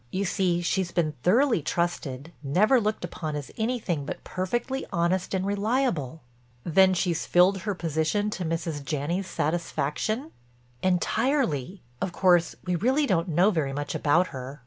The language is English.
You see she's been thoroughly trusted—never looked upon as anything but perfectly honest and reliable." "Then she's filled her position to Mrs. Janney's satisfaction?" "Entirely. Of course we really don't know very much about her.